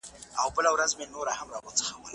استاد د شاګرد مخالفت ته غوږ نیسي.